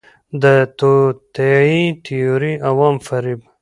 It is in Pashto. د توطئې تیوري، عوام فریب